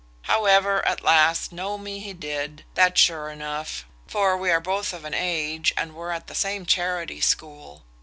However, at last, know me he did, that's sure enough; for we are both of an age, and were at the same charity school.